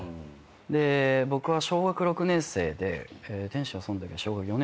で僕は小学６年生で天心はそのとき小学４年生か。